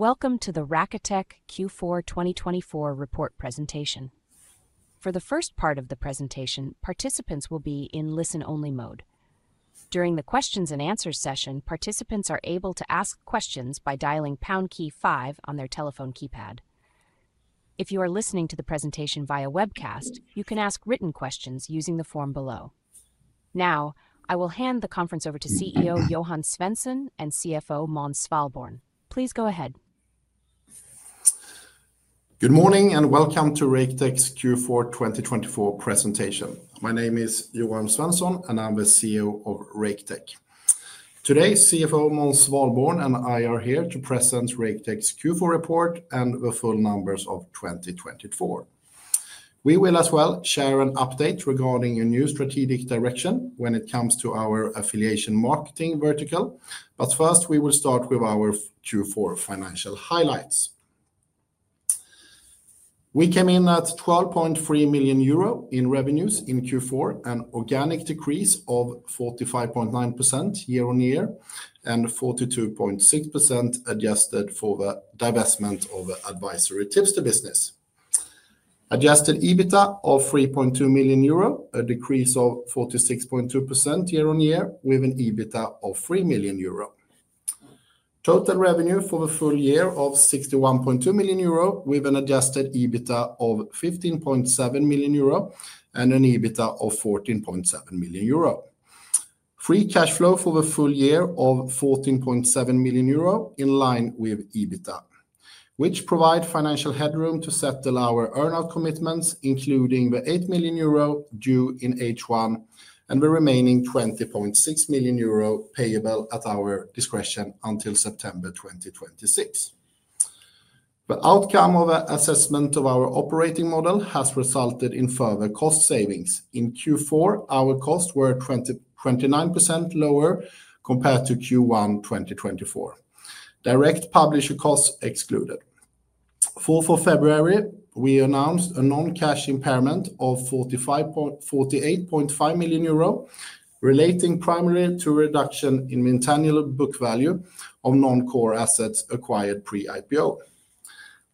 Welcome to the Raketech Q4 2024 report presentation. For the first part of the presentation, participants will be in listen-only mode. During the Q&A session, participants are able to ask questions by dialing pound key five on their telephone keypad. If you are listening to the presentation via webcast, you can ask written questions using the form below. Now, I will hand the conference over to CEO Johan Svensson and CFO Måns Svalborn. Please go ahead. Good morning and welcome to Raketech's Q4 2024 presentation. My name is Johan Svensson, and I'm the CEO of Raketech. Today, CFO Måns Svalborn and I are here to present Raketech's Q4 report and the full numbers of 2024. We will as well share an update regarding a new strategic direction when it comes to our affiliation marketing vertical, but first we will start with our Q4 financial highlights. We came in at 12.3 million euro in revenues in Q4, an organic decrease of 45.9% year-on-year, and 42.6% adjusted for the divestment of advisory tipster business. Adjusted EBITDA of 3.2 million euro, a decrease of 46.2% year-on-year, with an EBITDA of 3 million euro. Total revenue for the full year of 61.2 million euro, with an adjusted EBITDA of 15.7 million euro and an EBITDA of 14.7 million euro. Free cash flow for the full year of 14.7 million euro, in line with EBITDA, which provides financial headroom to settle our earn-out commitments, including the 8 million euro due in H1 and the remaining 20.6 million euro payable at our discretion until September 2026. The outcome of the assessment of our operating model has resulted in further cost savings. In Q4, our costs were 29% lower compared to Q1 2024, direct publisher costs excluded. For February, we announced a non-cash impairment of 48.5 million euro, relating primarily to a reduction in the intangible book value of non-core assets acquired pre-IPO.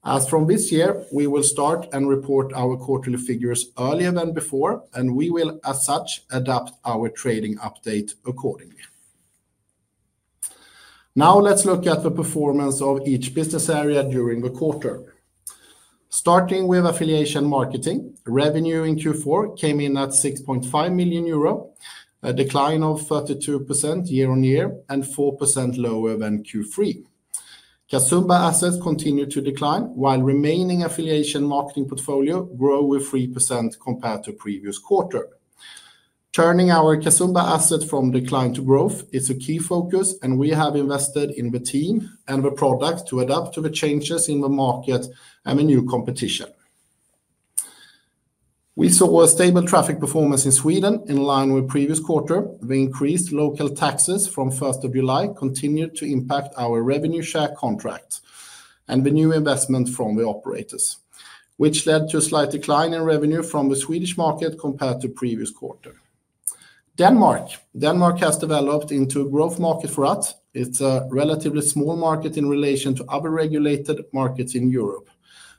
As from this year, we will start and report our quarterly figures earlier than before, and we will, as such, adapt our trading update accordingly. Now, let's look at the performance of each business area during the quarter. Starting with affiliation marketing, revenue in Q4 came in at 6.5 million euro, a decline of 32% year-on-year and 4% lower than Q3. Casumba assets continued to decline, while remaining affiliation marketing portfolio grew with 3% compared to the previous quarter. Turning our Casumba assets from decline to growth is a key focus, and we have invested in the team and the product to adapt to the changes in the market and the new competition. We saw a stable traffic performance in Sweden in line with the previous quarter. The increased local taxes from 1st of July continued to impact our revenue share contract and the new investment from the operators, which led to a slight decline in revenue from the Swedish market compared to the previous quarter. Denmark has developed into a growth market for us. It's a relatively small market in relation to other regulated markets in Europe.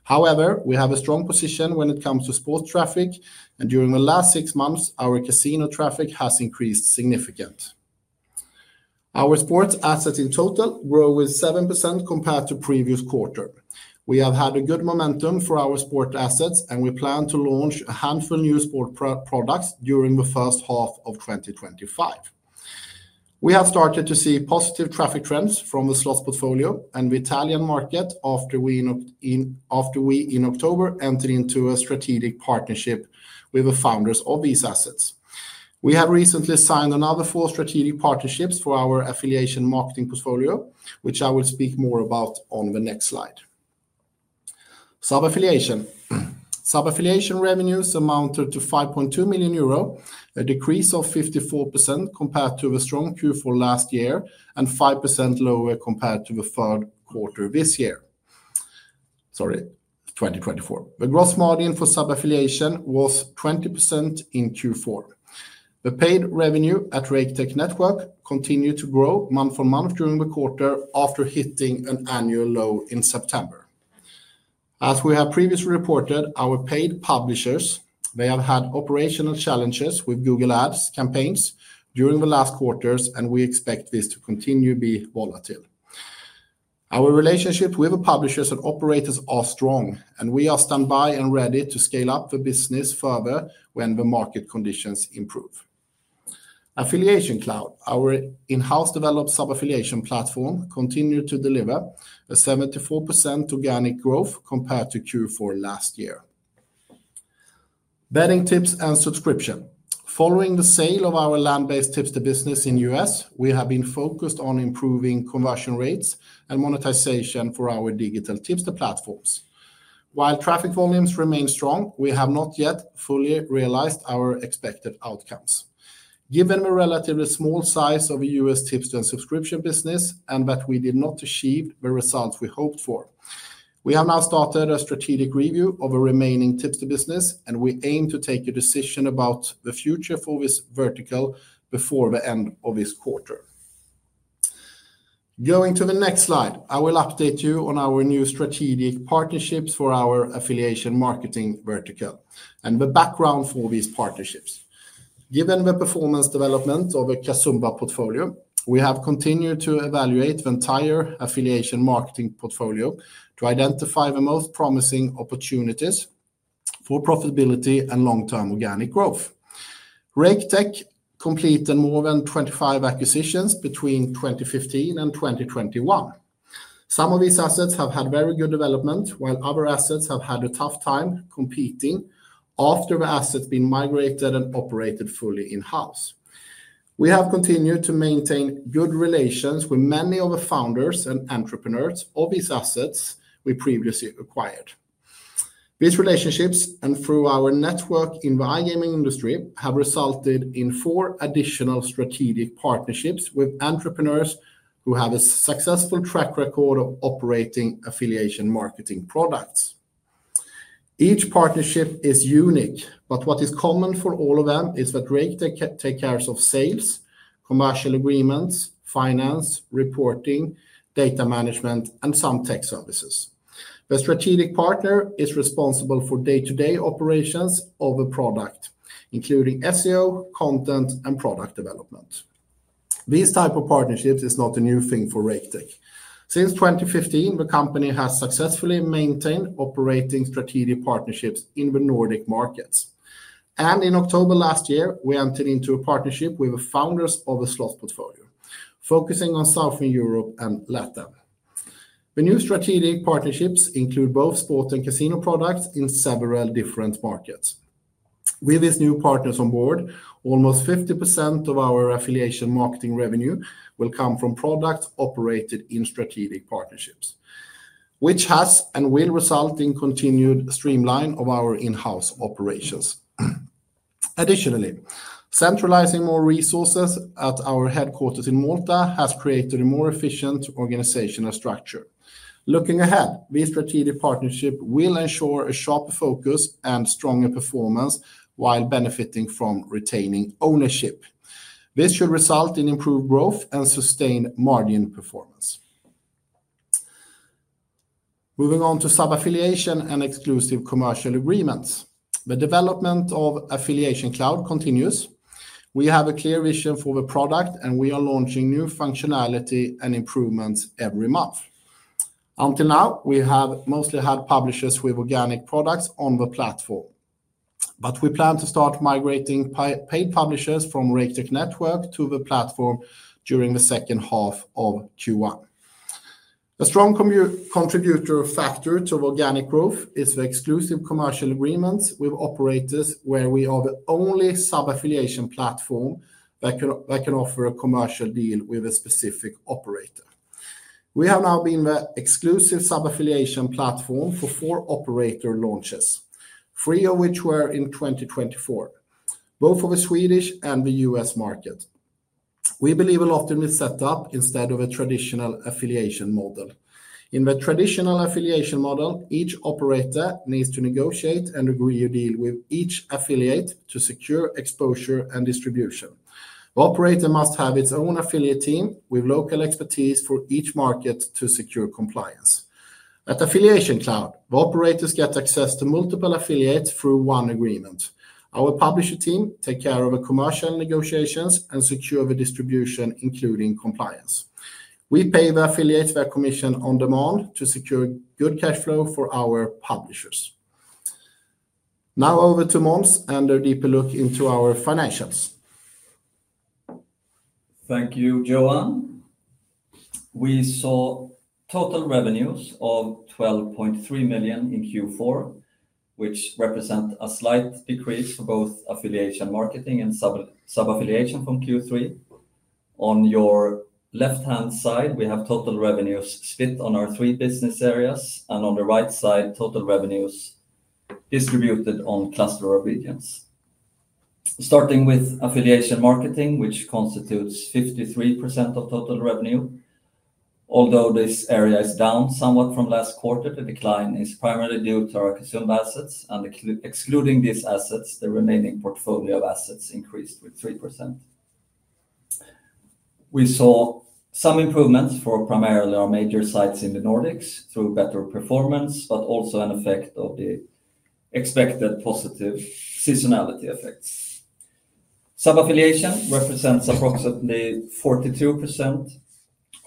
However, we have a strong position when it comes to sports traffic, and during the last six months, our casino traffic has increased significantly. Our sports assets in total grew with 7% compared to the previous quarter. We have had a good momentum for our sports assets, and we plan to launch a handful of new sports products during the first half of 2025. We have started to see positive traffic trends from the slots portfolio and the Italian market after we in October entered into a strategic partnership with the founders of these assets. We have recently signed another four strategic partnerships for our affiliation marketing portfolio, which I will speak more about on the next slide. Sub-affiliation revenues amounted to 5.2 million euro, a decrease of 54% compared to the strong Q4 last year and 5% lower compared to the third quarter this year. Sorry, 2024. The gross margin for sub-affiliation was 20% in Q4. The paid revenue at Raketech Network continued to grow month-on-month during the quarter after hitting an annual low in September. As we have previously reported, our paid publishers have had operational challenges with Google Ads campaigns during the last quarters, and we expect this to continue to be volatile. Our relationship with the publishers and operators is strong, and we are standby and ready to scale up the business further when the market conditions improve. Affiliation Cloud, our in-house developed sub-affiliation platform, continued to deliver a 74% organic growth compared to Q4 last year. Betting tips and subscription. Following the sale of our land-based tipster business in the U.S., we have been focused on improving conversion rates and monetization for our digital tipster platforms. While traffic volumes remain strong, we have not yet fully realized our expected outcomes. Given the relatively small size of the US tipster subscription business and that we did not achieve the results we hoped for, we have now started a strategic review of the remaining tipster business, and we aim to take a decision about the future for this vertical before the end of this quarter. Going to the next slide, I will update you on our new strategic partnerships for our affiliation marketing vertical and the background for these partnerships. Given the performance development of the Casumba portfolio, we have continued to evaluate the entire affiliation marketing portfolio to identify the most promising opportunities for profitability and long-term organic growth. Raketech completed more than 25 acquisitions between 2015 and 2021. Some of these assets have had very good development, while other assets have had a tough time competing after the assets have been migrated and operated fully in-house. We have continued to maintain good relations with many of the founders and entrepreneurs of these assets we previously acquired. These relationships, and through our network in the iGaming industry, have resulted in four additional strategic partnerships with entrepreneurs who have a successful track record of operating affiliation marketing products. Each partnership is unique, but what is common for all of them is that Raketech takes care of sales, commercial agreements, finance, reporting, data management, and some tech services. The strategic partner is responsible for day-to-day operations of the product, including SEO, content, and product development. This type of partnership is not a new thing for Raketech. Since 2015, the company has successfully maintained operating strategic partnerships in the Nordic markets. In October last year, we entered into a partnership with the founders of the slots portfolio, focusing on Southern Europe and Latvia. The new strategic partnerships include both sports and casino products in several different markets. With these new partners on board, almost 50% of our affiliation marketing revenue will come from products operated in strategic partnerships, which has and will result in a continued streamline of our in-house operations. Additionally, centralizing more resources at our headquarters in Malta has created a more efficient organizational structure. Looking ahead, this strategic partnership will ensure a sharper focus and stronger performance while benefiting from retaining ownership. This should result in improved growth and sustained margin performance. Moving on to sub-affiliation and exclusive commercial agreements. The development of Affiliation Cloud continues. We have a clear vision for the product, and we are launching new functionality and improvements every month. Until now, we have mostly had publishers with organic products on the platform, but we plan to start migrating paid publishers from Raketech Network to the platform during the second half of Q1. A strong contributing factor to organic growth is the exclusive commercial agreements with operators, where we are the only sub-affiliation platform that can offer a commercial deal with a specific operator. We have now been the exclusive sub-affiliation platform for four operator launches, three of which were in 2024, both for the Swedish and the U.S. market. We believe we'll opt in this setup instead of a traditional affiliation model. In the traditional affiliation model, each operator needs to negotiate and agree to deal with each affiliate to secure exposure and distribution. The operator must have its own affiliate team with local expertise for each market to secure compliance. At Affiliation Cloud, the operators get access to multiple affiliates through one agreement. Our publisher team takes care of the commercial negotiations and secures the distribution, including compliance. We pay the affiliates their commission on demand to secure good cash flow for our publishers. Now, over to Måns and a deeper look into our financials. Thank you, Johan. We saw total revenues of 12.3 million in Q4, which represents a slight decrease for both affiliation marketing and sub-affiliation from Q3. On your left-hand side, we have total revenues split on our three business areas, and on the right side, total revenues distributed on cluster of regions. Starting with affiliation marketing, which constitutes 53% of total revenue. Although this area is down somewhat from last quarter, the decline is primarily due to our Casumba assets, and excluding these assets, the remaining portfolio of assets increased with 3%. We saw some improvements for primarily our major sites in the Nordics through better performance, but also an effect of the expected positive seasonality effects. Sub-affiliation represents approximately 42%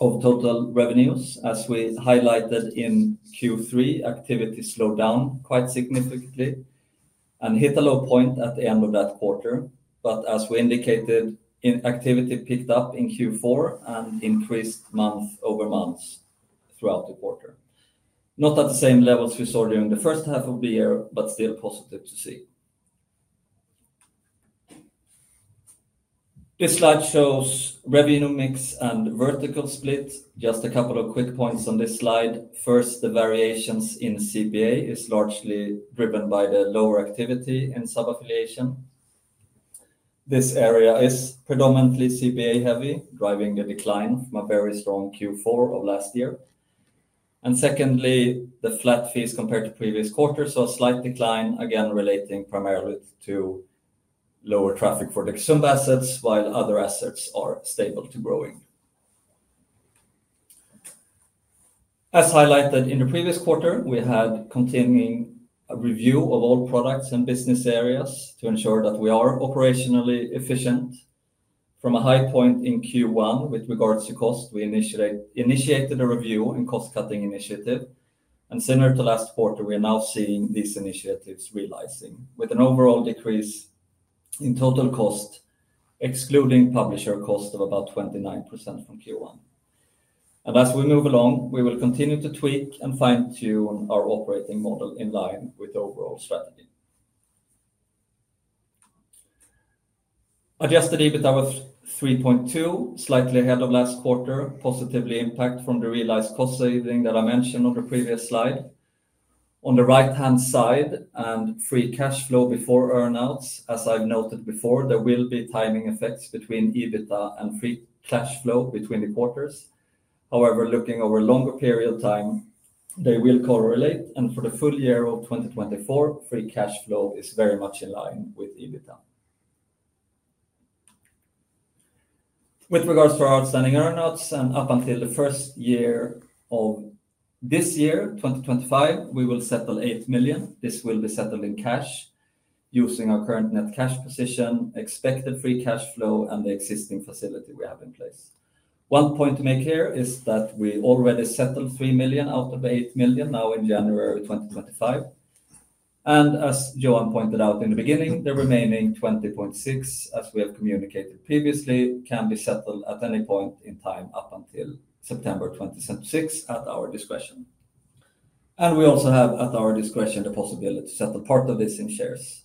of total revenues, as we highlighted in Q3. Activity slowed down quite significantly and hit a low point at the end of that quarter, but as we indicated, activity picked up in Q4 and increased month over month throughout the quarter. Not at the same levels we saw during the first half of the year, but still positive to see. This slide shows revenue mix and vertical split. Just a couple of quick points on this slide. First, the variations in CPA are largely driven by the lower activity in sub-affiliation. This area is predominantly CPA-heavy, driving the decline from a very strong Q4 of last year. Secondly, the flat fees compared to the previous quarter saw a slight decline, again relating primarily to lower traffic for the Casumba assets, while other assets are stable to growing. As highlighted in the previous quarter, we had a continuing review of all products and business areas to ensure that we are operationally efficient. From a high point in Q1 with regards to cost, we initiated a review and cost-cutting initiative, similar to last quarter, we are now seeing these initiatives realizing, with an overall decrease in total cost, excluding publisher cost, of about 29% from Q1. As we move along, we will continue to tweak and fine-tune our operating model in line with the overall strategy. Adjusted EBITDA was 3.2 million, slightly ahead of last quarter, positively impacted from the realized cost saving that I mentioned on the previous slide. On the right-hand side and free cash flow before earnouts, as I've noted before, there will be timing effects between EBITDA and free cash flow between the quarters. However, looking over a longer period of time, they will correlate, and for the full year of 2024, free cash flow is very much in line with EBITDA. With regards to our outstanding earnouts, and up until the first year of this year, 2025, we will settle 8 million. This will be settled in cash using our current net cash position, expected free cash flow, and the existing facility we have in place. One point to make here is that we already settled 3 million out of the 8 million now in January 2025. As Johan pointed out in the beginning, the remaining 20.6 million, as we have communicated previously, can be settled at any point in time up until September 2026 at our discretion. We also have at our discretion the possibility to settle part of this in shares.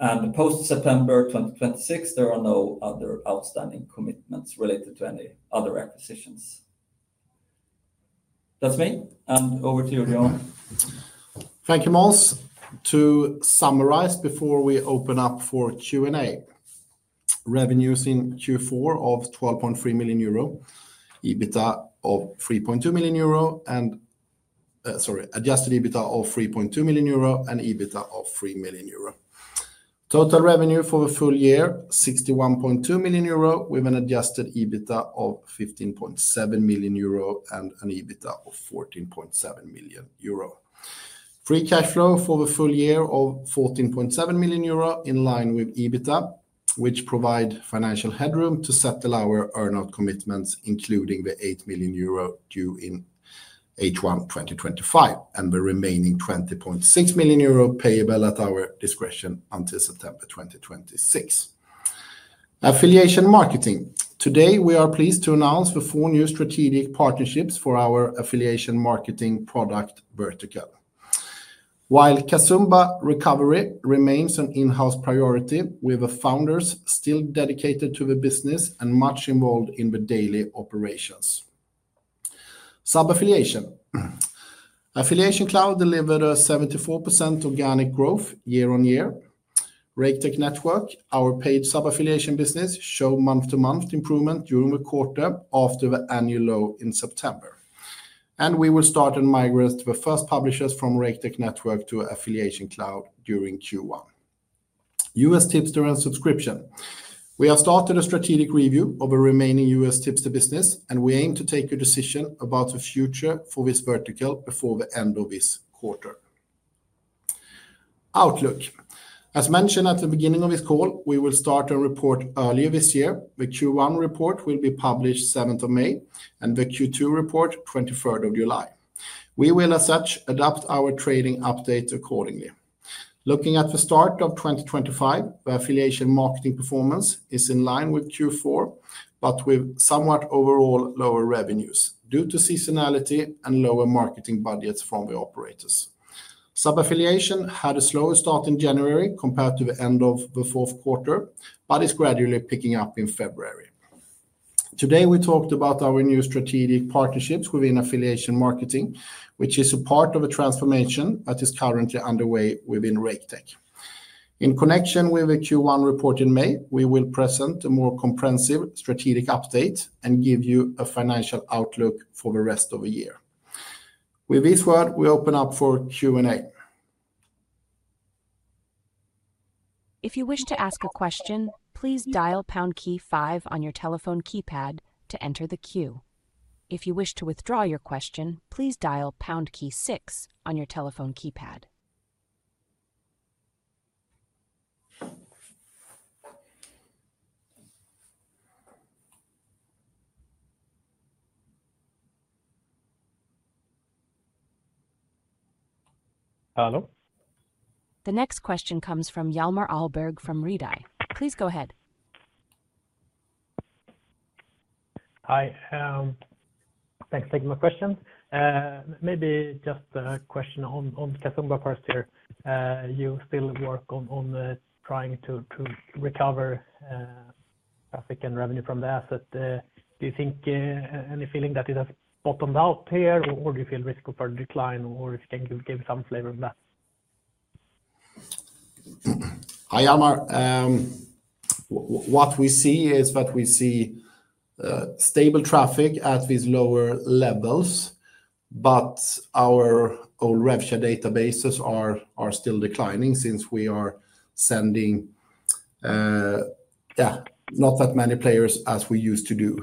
Post-September 2026, there are no other outstanding commitments related to any other acquisitions. That's me, and over to you, Johan. Thank you, Måns. To summarize before we open up for Q&A, revenues in Q4 of 12.3 million euro, EBITDA of 3.2 million euro, and sorry, adjusted EBITDA of 3.2 million euro and EBITDA of 3 million euro. Total revenue for the full year, 61.2 million euro, with an adjusted EBITDA of 15.7 million euro and an EBITDA of 14.7 million euro. Free cash flow for the full year of 14.7 million euro in line with EBITDA, which provides financial headroom to settle our earnout commitments, including the 8 million euro due in H1 2025 and the remaining 20.6 million euro payable at our discretion until September 2026. Affiliation marketing. Today, we are pleased to announce the four new strategic partnerships for our affiliation marketing product vertical. While Casumba Recovery remains an in-house priority, we have founders still dedicated to the business and much involved in the daily operations. Sub-affiliation. Affiliation Cloud delivered a 74% organic growth year on year. Raketech Network, our paid sub-affiliation business, showed month-to-month improvement during the quarter after the annual low in September. We will start and migrate the first publishers from Raketech Network to Affiliation Cloud during Q1. U.S. tipster and subscription. We have started a strategic review of the remaining U.S. tipster business, and we aim to take your decision about the future for this vertical before the end of this quarter. Outlook. As mentioned at the beginning of this call, we will start a report earlier this year. The Q1 report will be published on the 7th of May, and the Q2 report on the 23rd of July. We will, as such, adapt our trading update accordingly. Looking at the start of 2025, the affiliation marketing performance is in line with Q4, but with somewhat overall lower revenues due to seasonality and lower marketing budgets from the operators. Sub-affiliation had a slower start in January compared to the end of the fourth quarter, but is gradually picking up in February. Today, we talked about our new strategic partnerships within affiliation marketing, which is a part of a transformation that is currently underway within Raketech. In connection with the Q1 report in May, we will present a more comprehensive strategic update and give you a financial outlook for the rest of the year. With this word, we open up for Q&A. If you wish to ask a question, please dial pound key five on your telephone keypad to enter the queue. If you wish to withdraw your question, please dial pound key six on your telephone keypad. Hello. The next question comes from Hjalmar Ahlberg from Redeye. Please go ahead. Hi. Thanks for taking my question. Maybe just a question on Casumba first here. You still work on trying to recover traffic and revenue from the asset. Do you think any feeling that it has bottomed out here, or do you feel risk of a decline, or if you can give some flavor on that? Hjalmar, what we see is that we see stable traffic at these lower levels, but our own revshare databases are still declining since we are sending, yeah, not that many players as we used to do.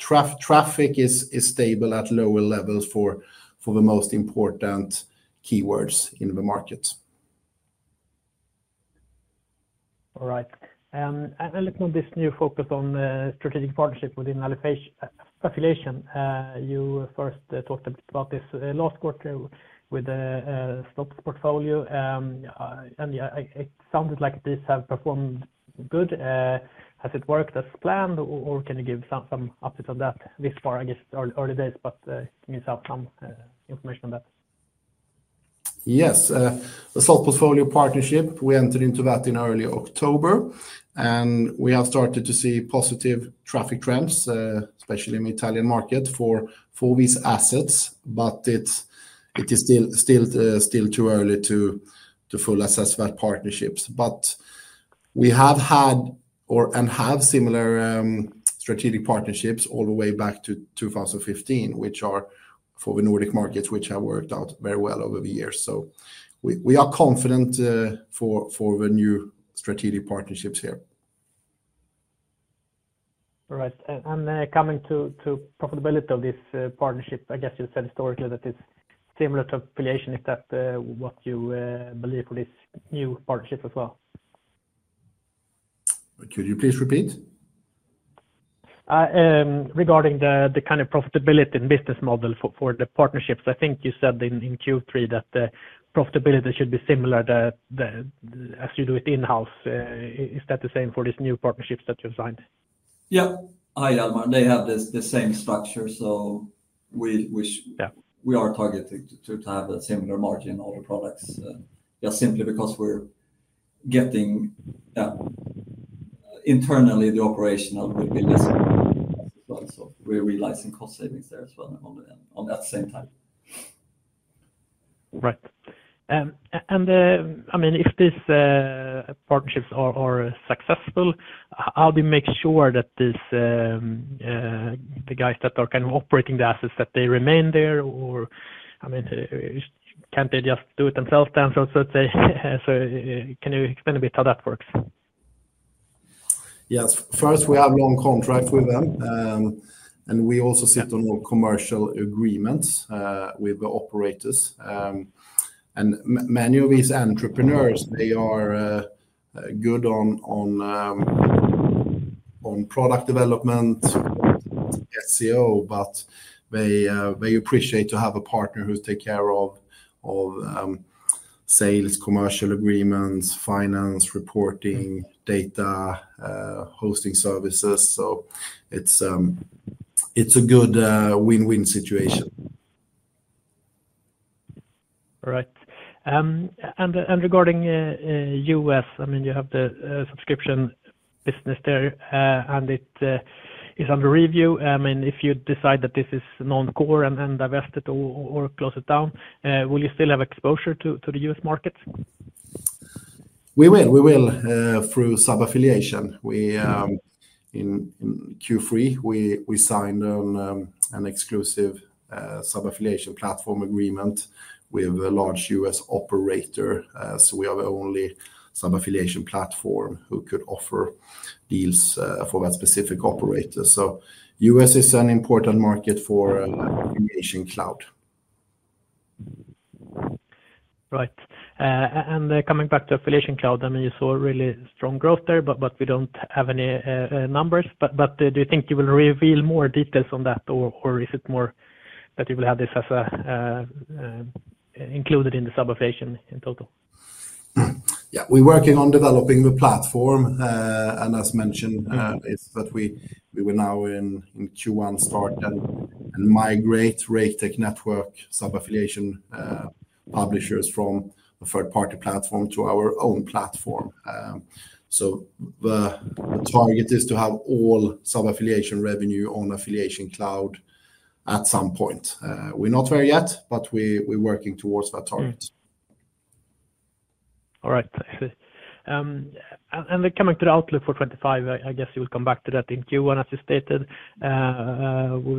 Traffic is stable at lower levels for the most important keywords in the market. All right. Looking at this new focus on strategic partnership within affiliation, you first talked a bit about this last quarter with the slots portfolio. It sounded like this has performed good. Has it worked as planned, or can you give some updates on that? This part, I guess, is early days, but can you have some information on that? Yes. The Slots Portfolio partnership, we entered into that in early October, and we have started to see positive traffic trends, especially in the Italian market for these assets. It is still too early to fully assess that partnership. We have had or have similar strategic partnerships all the way back to 2015, which are for the Nordic markets, which have worked out very well over the years. We are confident for the new strategic partnerships here. All right. Coming to profitability of this partnership, I guess you said historically that it's similar to affiliation. Is that what you believe for this new partnership as well? Could you please repeat? Regarding the kind of profitability and business model for the partnerships, I think you said in Q3 that the profitability should be similar as you do it in-house. Is that the same for these new partnerships that you've signed? Yeah. Hi, Hjalmar. They have the same structure, so we are targeting to have a similar margin on all the products. Yeah, simply because we're getting, yeah, internally, the operational will be less as well. So we're realizing cost savings there as well at that same time. Right. I mean, if these partnerships are successful, how do you make sure that the guys that are kind of operating the assets, that they remain there, or I mean, can't they just do it themselves then? I mean, can you explain a bit how that works? Yes. First, we have long contracts with them, and we also sit on all commercial agreements with the operators. Many of these entrepreneurs, they are good on product development, SEO, but they appreciate to have a partner who takes care of sales, commercial agreements, finance, reporting, data, hosting services. It is a good win-win situation. All right. Regarding the U.S., I mean, you have the subscription business there, and it is under review. I mean, if you decide that this is non-core and divest it or close it down, will you still have exposure to the U.S. market? We will. We will through sub-affiliation. In Q3, we signed an exclusive sub-affiliation platform agreement with a large U.S. operator. We have only a sub-affiliation platform who could offer deals for that specific operator. U.S. is an important market for Affiliation Cloud. Right. Coming back to Affiliation Cloud, I mean, you saw really strong growth there, but we do not have any numbers. Do you think you will reveal more details on that, or is it more that you will have this included in the sub-affiliation in total? Yeah. We're working on developing the platform. As mentioned, we will now in Q1 start and migrate Raketech Network sub-affiliation publishers from a third-party platform to our own platform. The target is to have all sub-affiliation revenue on Affiliation Cloud at some point. We're not there yet, but we're working towards that target. All right. Coming to the outlook for 2025, I guess you will come back to that in Q1, as you stated,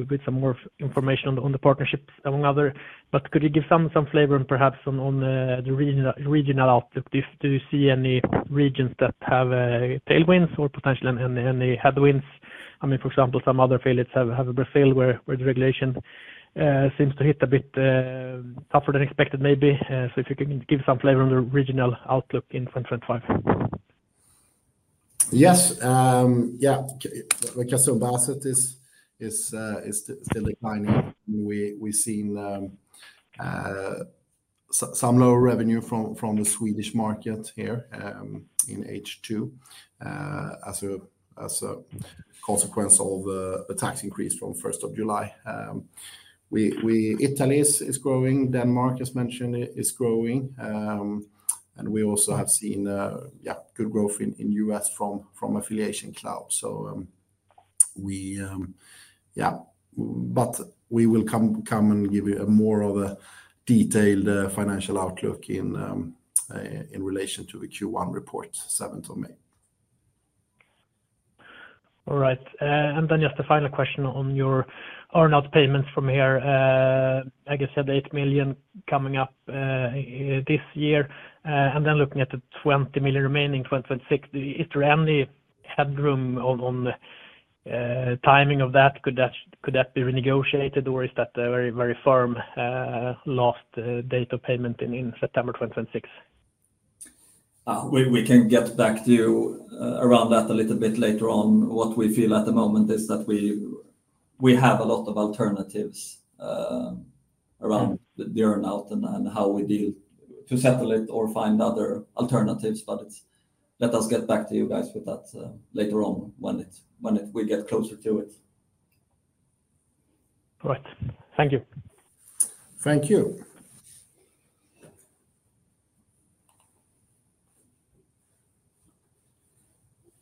with some more information on the partnerships among others. Could you give some flavor and perhaps on the regional outlook? Do you see any regions that have tailwinds or potentially any headwinds? I mean, for example, some other affiliates have Brazil where the regulation seems to hit a bit tougher than expected, maybe. If you can give some flavor on the regional outlook in 2025. Yes. Yeah. The Casumba asset is still declining. We've seen some lower revenue from the Swedish market here in H2 as a consequence of the tax increase from the 1st of July. Italy is growing. Denmark, as mentioned, is growing. We also have seen, yeah, good growth in the U.S. from Affiliation Cloud. Yeah, we will come and give you a more detailed financial outlook in relation to the Q1 report, 7th of May. All right. Just a final question on your earnout payments from here. I guess you had 8 million coming up this year. Looking at the 20 million remaining in 2026, is there any headroom on the timing of that? Could that be renegotiated, or is that a very firm last date of payment in September 2026? We can get back to you around that a little bit later on. What we feel at the moment is that we have a lot of alternatives around the earnout and how we deal to settle it or find other alternatives. Let us get back to you guys with that later on when we get closer to it. All right. Thank you. Thank you.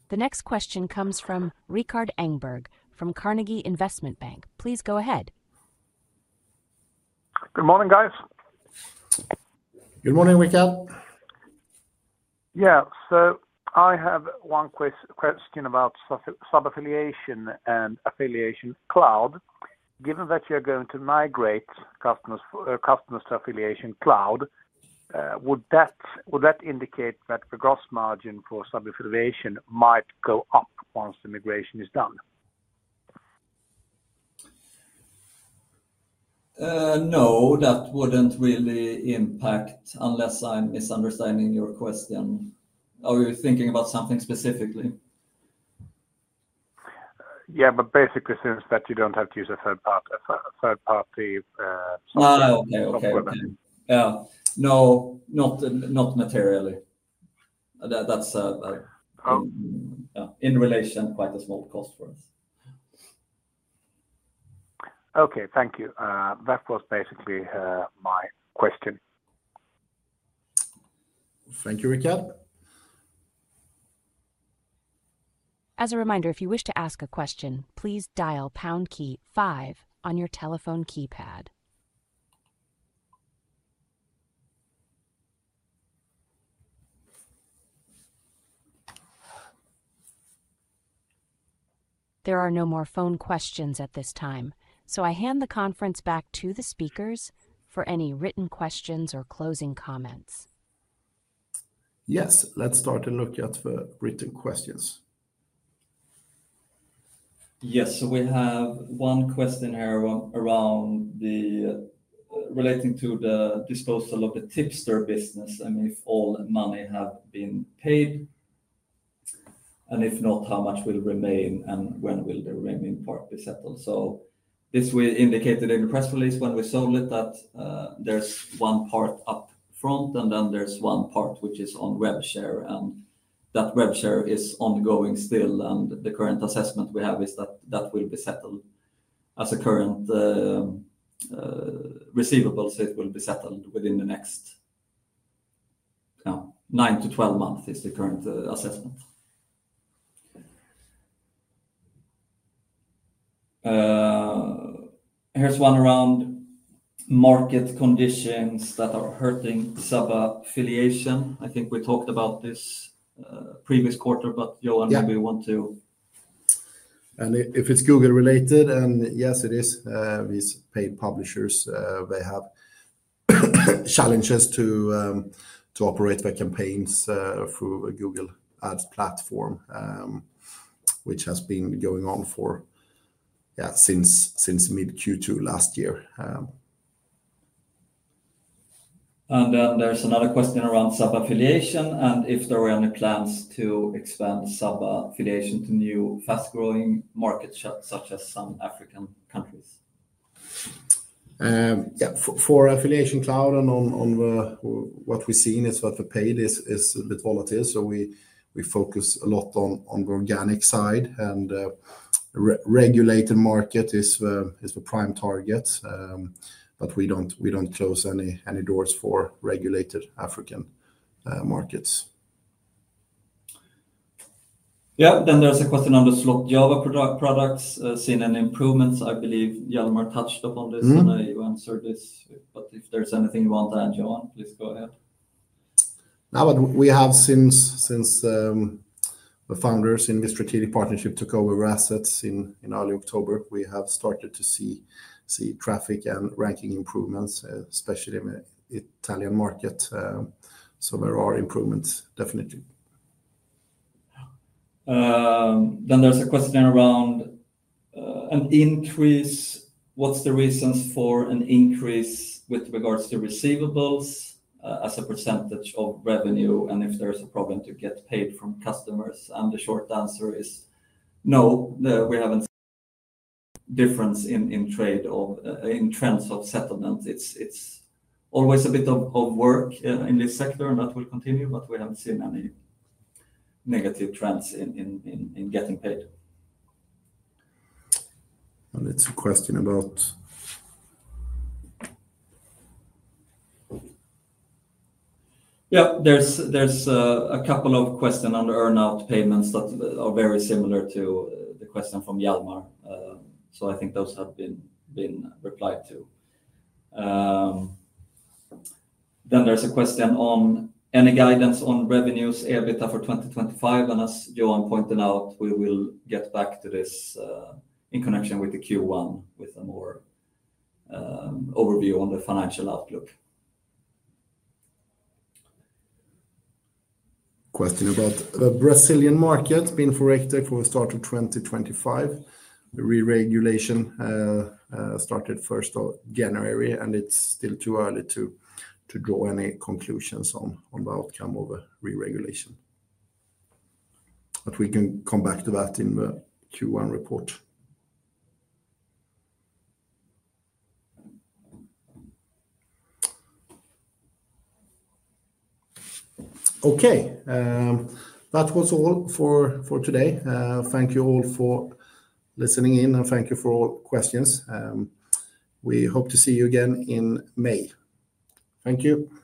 The next question comes from Rikard Engberg from Carnegie Investment Bank. Please go ahead. Good morning, guys. Good morning, Rikard. Yeah. I have one question about sub-affiliation and Affiliation Cloud. Given that you're going to migrate customers to Affiliation Cloud, would that indicate that the gross margin for sub-affiliation might go up once the migration is done? No. That wouldn't really impact unless I'm misunderstanding your question. Are you thinking about something specifically? Yeah, basically since that you don't have to use a third-party software. No, no. Okay. Okay. Yeah. No, not materially. That is in relation, quite a small cost for us. Okay. Thank you. That was basically my question. Thank you, Rikard. As a reminder, if you wish to ask a question, please dial pound key five on your telephone keypad. There are no more phone questions at this time, so I hand the conference back to the speakers for any written questions or closing comments. Yes. Let's start and look at the written questions. Yes. We have one question here relating to the disposal of the tipster business and if all money have been paid. If not, how much will remain and when will the remaining part be settled? This we indicated in the press release when we sold it that there is one part up front and then there is one part which is on revshare. That revshare is ongoing still. The current assessment we have is that that will be settled as a current receivable. It will be settled within the next 9-12 months is the current assessment. Here is one around market conditions that are hurting sub-affiliation. I think we talked about this previous quarter, but Johan, maybe you want to. If it's Google-related, and yes, it is, these paid publishers, they have challenges to operate their campaigns through the Google Ads platform, which has been going on for, yeah, since mid-Q2 last year. There is another question around sub-affiliation and if there were any plans to expand sub-affiliation to new fast-growing markets such as some African countries. Yeah. For Affiliation Cloud and on what we've seen is that the pay is a bit volatile. We focus a lot on the organic side, and regulated market is the prime target. We don't close any doors for regulated African markets. There is a question on the SlotJava products. Seen any improvements? I believe Hjalmar touched upon this, and you answered this. If there's anything you want to add, Johan, please go ahead. We have since the founders in this strategic partnership took over assets in early October, we have started to see traffic and ranking improvements, especially in the Italian market. There are improvements, definitely. There is a question around an increase. What is the reason for an increase with regards to receivables as a percentage of revenue and if there is a problem to get paid from customers? The short answer is no. We have not seen a difference in trends of settlement. It is always a bit of work in this sector, and that will continue, but we have not seen any negative trends in getting paid. There is a question about, yeah. There are a couple of questions on the earnout payments that are very similar to the question from Hjalmar. I think those have been replied to. There is a question on any guidance on revenues EBITDA for 2025. As Johan pointed out, we will get back to this in connection with the Q1 with a more overview on the financial outlook. Question about the Brazilian market being forecasted for the start of 2025. The re-regulation started 1st of January, and it's still too early to draw any conclusions on the outcome of the re-regulation. We can come back to that in the Q1 report. Okay. That was all for today. Thank you all for listening in, and thank you for all questions. We hope to see you again in May. Thank you.